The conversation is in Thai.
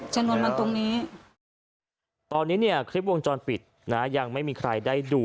ชนวนมันตรงนี้ตอนนี้เนี่ยคลิปวงจรปิดนะยังไม่มีใครได้ดู